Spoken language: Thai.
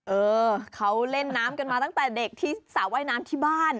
เออเขาเล่นน้ำกันมาตั้งแต่เด็กที่สระว่ายน้ำที่บ้าน